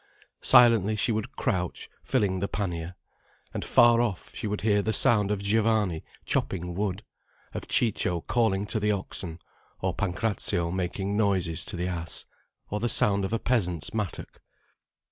Silently she would crouch filling the pannier. And far off she would hear the sound of Giovanni chopping wood, of Ciccio calling to the oxen or Pancrazio making noises to the ass, or the sound of a peasant's mattock.